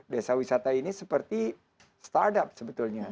desa wisata ini seperti startup sebetulnya